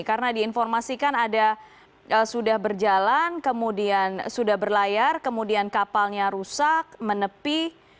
karena diinformasikan ada sudah berjalan kemudian sudah berlayar kemudian kapalnya rusak menepi